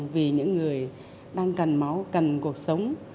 vì những người đang cần máu cần cuộc sống